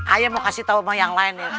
ayah mau kasih tahu sama yang lain nih